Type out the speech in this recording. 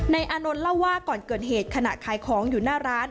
อานนท์เล่าว่าก่อนเกิดเหตุขณะขายของอยู่หน้าร้าน